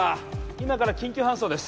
今から緊急搬送です